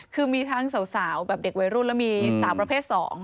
คือมีทั้งสาวแบบเด็กวัยรุ่นแล้วมีสาวประเภท๒